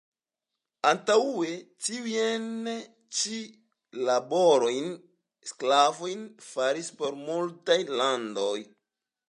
Antaŭe tiujn ĉi laborojn sklavoj faris por multaj landoj.